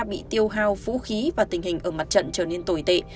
bị tiêu hao vũ khí và tình hình ở mặt trận trở nên tồi tệ